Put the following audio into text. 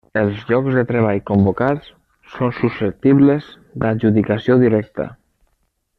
Els llocs de treball convocats són susceptibles d'adjudicació directa.